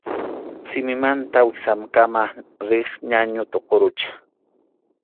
Simimanta wiksakama riq ñañu tuqurucha.